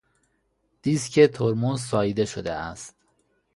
دیسک ترمز ساییده شده است.